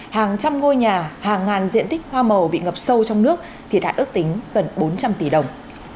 hàng trăm ngôi nhà hàng ngàn diện tích hoa màu bị ngập sâu trong nước thiệt hại ước tính gần bốn trăm linh tỷ đồng